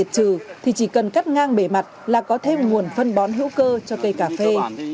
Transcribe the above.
trừ thì chỉ cần cắt ngang bề mặt là có thêm nguồn phân bón hữu cơ cho cây cà phê